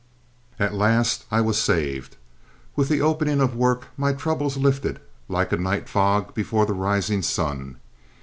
At last I was saved. With the opening of work my troubles lifted like a night fog before the rising sun.